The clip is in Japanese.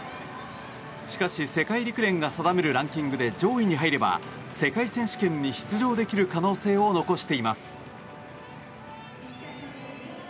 しかし、世界陸連が定めるランキングで上位に入れば世界選手権に出場できる可能性を残しています。